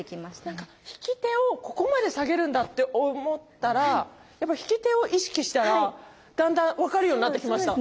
何か引き手をここまで下げるんだって思ったらやっぱ引き手を意識したらだんだん分かるようになってきました。